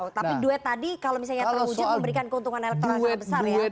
tapi duet tadi kalau misalnya terwujud memberikan keuntungan elektoral yang besar ya